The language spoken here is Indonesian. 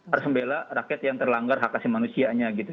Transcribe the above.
harus membela rakyat yang terlanggar hak asli manusianya gitu